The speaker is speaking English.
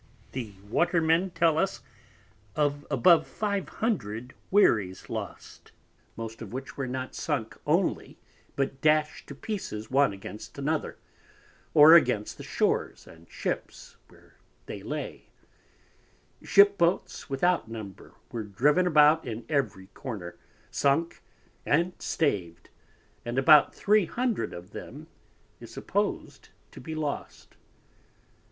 The Watermen tell us of above 500 Wheries lost, most of which were not sunk only but dasht to pieces one against another, or against the Shores and Ships, where they lay: Ship Boats without number were driven about in every corner, sunk and staved, and about 300 of them is supposed to be lost.